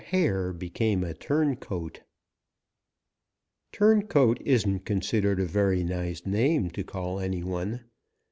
HARE BECAME A TURNCOAT |TURNCOAT isn't considered a very nice name to call any one.